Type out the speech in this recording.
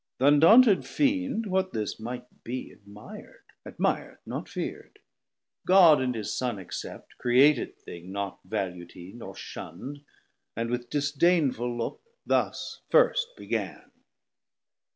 Th' undaunted Fiend what this might be admir'd, Admir'd, not fear'd; God and his Son except, Created thing naught vallu'd he nor shun'd; And with disdainful look thus first began.